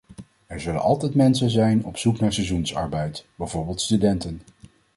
Er zullen altijd mensen zijn op zoek naar seizoensarbeid, bijvoorbeeld studenten.